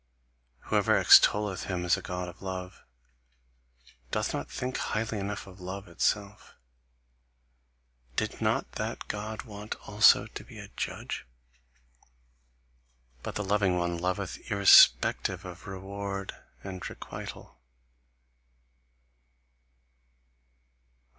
Whoever extolleth him as a God of love, doth not think highly enough of love itself. Did not that God want also to be judge? But the loving one loveth irrespective of reward and requital.